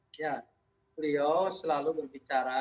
beliau selalu berbicara